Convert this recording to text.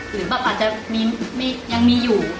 หรือแบบอาจจะยังมีอยู่